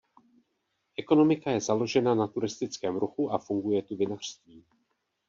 Ekonomika je založena na turistickém ruchu a funguje tu vinařství.